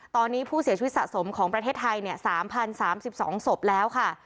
ตอนนี้ผู้เสียชีวิตสะสมของประเทศไทยเนี่ยสามพันสามสิบสองศพแล้วค่ะ